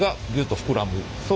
膨らむ？